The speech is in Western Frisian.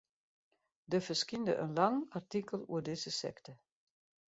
Der ferskynde in lang artikel oer dizze sekte.